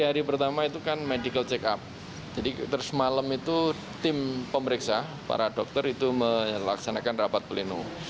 hari pertama itu kan medical check up jadi terus malam itu tim pemeriksa para dokter itu melaksanakan rapat pleno